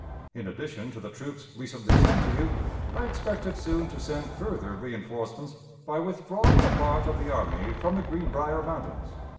In addition to the troops recently sent to you, I expected soon to send further reënforcements by withdrawing a part of the army from the Greenbrier Mountains.